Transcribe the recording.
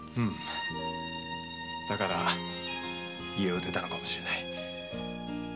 だから家を出たのかもしれない。